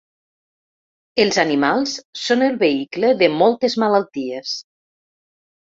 Els animals són el vehicle de moltes malalties.